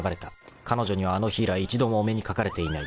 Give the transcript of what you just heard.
［彼女にはあの日以来一度もお目にかかれていない］